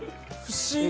不思議！